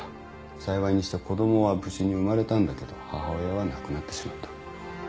幸いにして子供は無事に生まれたんだけど母親は亡くなってしまった。